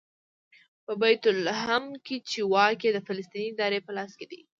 په بیت لحم کې چې واک یې د فلسطیني ادارې په لاس کې دی.